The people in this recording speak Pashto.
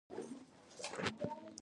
پوهه د قدرت د سرغړونې مخه نیسي.